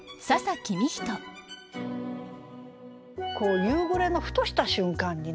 夕暮れのふとした瞬間にね